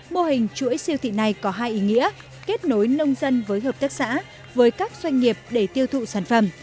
mô hình chuỗi siêu thị này có hai ý nghĩa kết nối nông dân với hợp tác xã với các doanh nghiệp để tiêu thụ sản phẩm